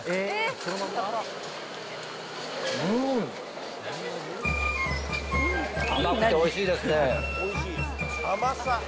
うーん！甘くておいしいですね。